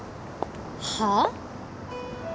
はあ？